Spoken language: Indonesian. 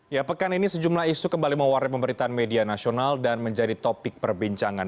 ya pekan ini sejumlah isu kembali mewarnai pemberitaan media nasional dan menjadi topik perbincangan